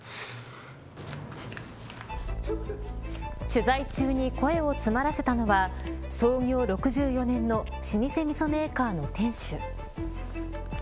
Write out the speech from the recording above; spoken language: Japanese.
取材中に声を詰まらせたのは創業６４年の老舗みそメーカーの店主。